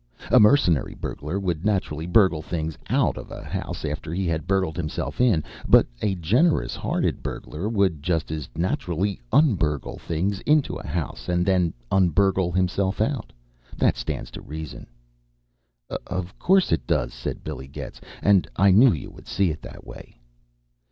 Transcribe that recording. A mercenary burglar would naturally burgle things out of a house after he had burgled himself in, but a generous hearted burglar would just as naturally un burgle things into a house and then un burgle himself out. That stands to reason." "Of course it does," said Billy Getz. "And I knew you would see it that way."